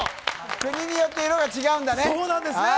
国によって色が違うんだね。